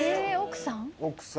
奥さん。